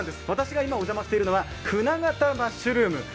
私が今、お邪魔してるのは舟形マッシュルーム。